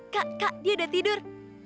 kak dia udah tidur